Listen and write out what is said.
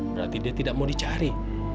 berarti dia tidak mau dicari